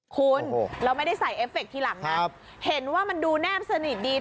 คุณเราไม่ได้ใส่เอฟเฟคทีหลังนะเห็นว่ามันดูแนบสนิทดี